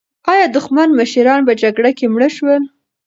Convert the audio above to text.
ایا دښمن مشران په جګړه کې مړه شول؟